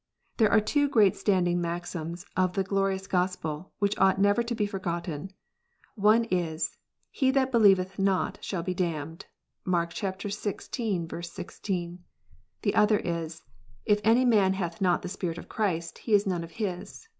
There are two great standing maxims of the glorious Gospel, which ought never to be forgotten. One is :" He that believeth not shall be damned." (Mark xvi. 16.) The other is : "If any man hath not the Spirit of Christ, he is Aione of His."